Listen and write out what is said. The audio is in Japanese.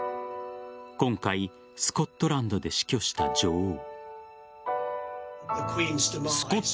今回スコットランドで死去した女王。